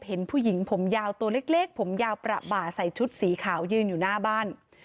เห็นผู้หญิงผมยาวตัวเล็กผมยาวประบาใส่ชุดสีขาวยืนอยู่หน้าบ้าน